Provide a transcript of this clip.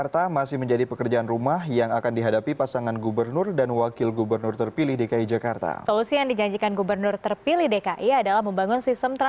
tim liputan cnn indonesia